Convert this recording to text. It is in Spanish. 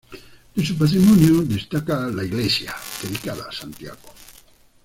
De su patrimonio destaca la iglesia, dedicada a Santiago.